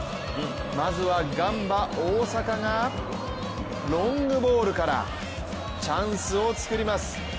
まずはガンバ大阪がロングボールからチャンスを作ります。